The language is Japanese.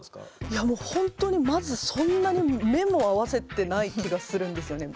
いやもうほんとにまずそんなに目も合わせてない気がするんですよね。